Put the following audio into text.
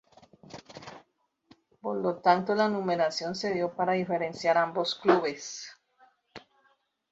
Por lo tanto la numeración se dio para diferenciar ambos clubes.